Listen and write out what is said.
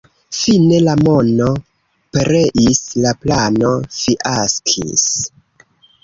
Fine la mono pereis, la plano fiaskis.